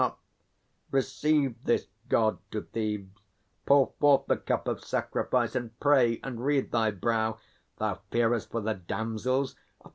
Up, Receive this God to Thebes; pour forth the cup Of sacrifice, and pray, and wreathe thy brow. Thou fearest for the damsels?